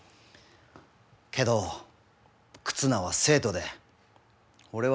けど忽那は生徒で俺は教師だ。